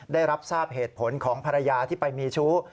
ได้รับทราบเหตุผลของภรรยาที่ไปมีชู้